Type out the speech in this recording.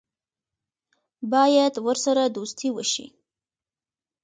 باید ورسره دوستي وشي.